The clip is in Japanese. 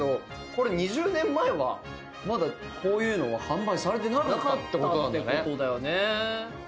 これ２０年前はまだこういうのは販売されてなかったってことなんだね。